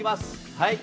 はい！